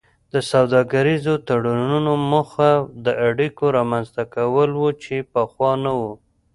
د سوداګریزو تړونونو موخه د اړیکو رامینځته کول وو چې پخوا نه وو